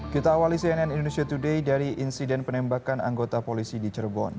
kita awali cnn indonesia today dari insiden penembakan anggota polisi di cirebon